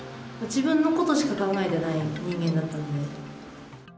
自分のことしか考えてない人間だったので。